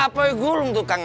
kayanya parasites korban